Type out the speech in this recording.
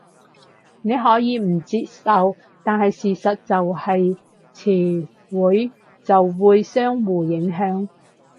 你可以唔接受，但係事實就係詞彙就會相互影響